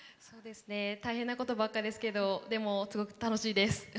大変なことばっかですけどでもすごく楽しいです。